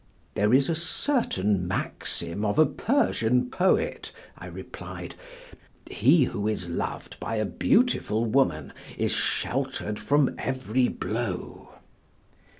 "There is a certain maxim of a Persian poet," I replied, "'He who is loved by a beautiful woman is sheltered from every blow.'"